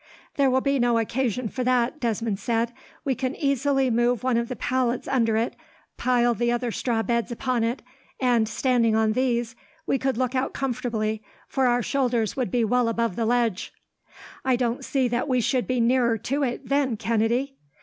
"There will be no occasion for that," Desmond said. "We can easily move one of the pallets under it, pile the other straw beds upon it, and, standing on these, we could look out comfortably, for our shoulders would be well above the ledge." "I don't see that we should be nearer to it, then, Kennedy."